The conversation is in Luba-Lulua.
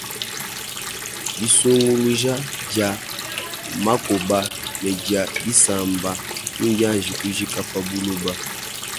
Disunguluja dia makoba ne dia bisamba kindianji kujika pa buloba.